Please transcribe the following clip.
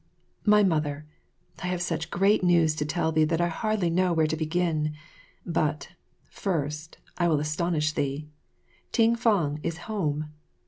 3 My Mother, I have such great news to tell thee that I hardly know where to begin. But, first, I will astonish thee Ting fang is home!